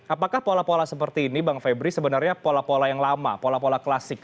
apakah pola pola seperti ini bang febri sebenarnya pola pola yang lama pola pola klasik